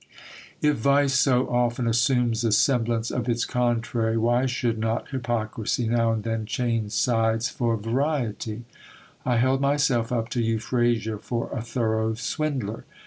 ISO GIL BLAS. If vice so often assumes the semblance of its contrary, why should not hypo crisy now and then change sides for variety ? I held myself up to Euphrasia for a thorough swindler.